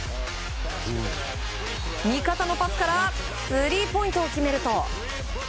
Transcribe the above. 味方のパスからスリーポイントを決めると。